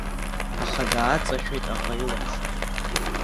Аха дааҵашәеит аӷа илаԥш.